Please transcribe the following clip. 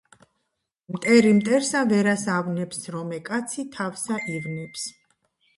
მტერი მტერსა ვერას ავნებს, რომე კაცი თავსა ივნებს.